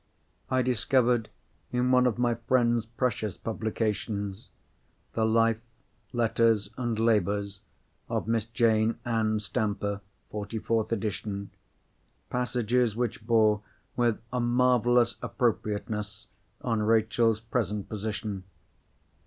I discovered in one of my friend's precious publications—the Life, Letters, and Labours of Miss Jane Ann Stamper, forty fourth edition—passages which bore with a marvellous appropriateness on Rachel's present position.